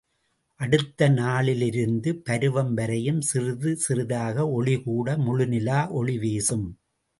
அடுத்த நாளிலிருந்து பருவம் வரையும் சிறிது சிறிதாக ஒளிகூட முழுநிலா ஒளி வீசும்.